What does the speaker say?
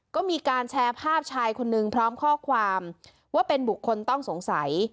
ก็มีการแชร์ภาพชายคนนึงพร้อมข้อความว่าเป็นบุคคลต้องสงสัย